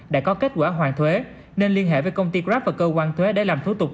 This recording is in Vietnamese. đã có kết quả hoàn thuế nên liên hệ với công ty grab và cơ quan thuế để làm thủ tục